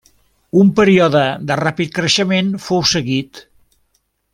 Un període de ràpid creixement fou seguit.